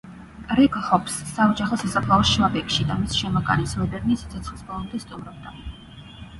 პრეგლჰოფს, საოჯახო სასაფლაოს შვაბეგში და მის შემოგარენს ვებერნი სიცოცხლის ბოლომდე სტუმრობდა.